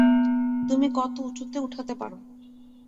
তুমি কত উচুতে উঠাতে পারো?